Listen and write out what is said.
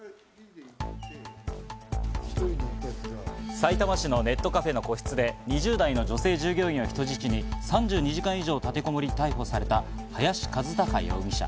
さいたま市のネットカフェの個室で２０代の女性従業員を人質に、３２時間以上、立てこもり、逮捕された林一貴容疑者。